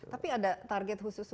tapi ada target khusus